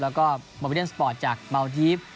แล้วก็บริบอลแอนด์สปอร์ตจากเมาส์ยีฟ